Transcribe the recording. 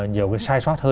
nhiều cái sức khỏe